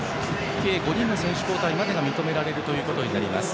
計５人の選手交代までが認められることになります。